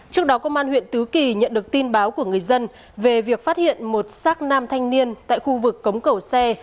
trước đó công an huyện tứ kỳ nhận được tin báo của người dân về việc phát hiện một xác nam thanh niên tại khu vực cống cẩu xe